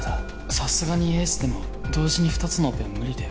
さすがにエースでも同時に二つのオペは無理だよ